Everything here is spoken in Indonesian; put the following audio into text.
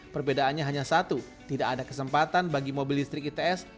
perbedaannya hanya satu tidak ada kesempatan bagi mobil listrik its